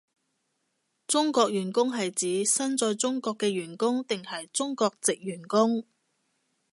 中國員工係指身在中國嘅員工定係中國藉員工？